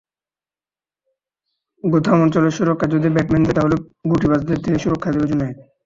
Gotham অঞ্চলের সুরক্ষা যদি ব্যাটম্যান দেয়, তাহলে গুটিবাজদের থেকে সুরক্ষা দেবে জুনায়েদ।